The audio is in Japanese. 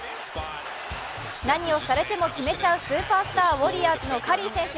何をされても決めちゃうスーパースター、ウォリアーズのカリー選手、